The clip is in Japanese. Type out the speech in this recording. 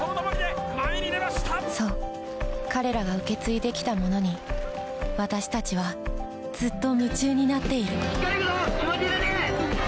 そう彼らが受け継いできたものに私たちはずっと夢中になっている・行けるぞ！